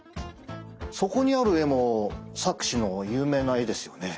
そこにある絵も錯視の有名な絵ですよね？